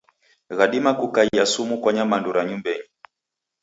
Ghadima kukaia sumu kwa nyamandu ra nyumbenyi.